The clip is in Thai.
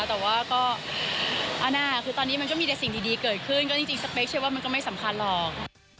แต่ว่าก็คือตอนนี้มันก็มีแต่สิ่งดีเกิดขึ้นก็จริงสเปคเชื่อว่ามันก็ไม่สำคัญหรอก